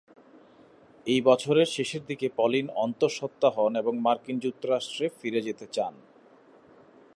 এই বছরের শেষের দিকে পলিন অন্তঃসত্ত্বা হন এবং মার্কিন যুক্তরাষ্ট্রে ফিরে যেতে চান।